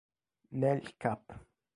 Nel cap.